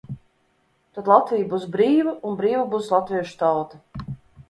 Tad Latvija būs brīva un brīva būs latviešu tauta.